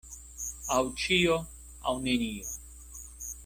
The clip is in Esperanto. Aŭ ĉio, aŭ nenio.